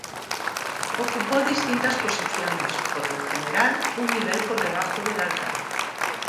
Ocupó distintas posiciones, por lo general un nivel por debajo de alcalde.